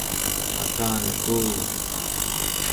atanekuyuk